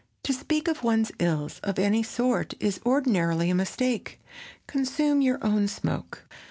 To speak of one's ills of any sort is ordinarily a mistake. "Consume your own smoke."